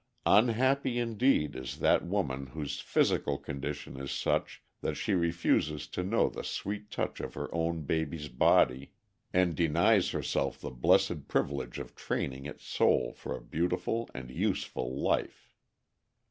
Unhappy indeed is that woman whose physical condition is such that she refuses to know the sweet touch of her own baby's body, and denies herself the blessed privilege of training its soul for a beautiful and useful life.